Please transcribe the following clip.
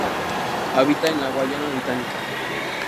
Habita en la Guayana Británica.